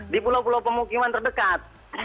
di pulau pulau pemukiman terdekat